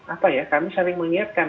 apa ya kami saling mengingatkan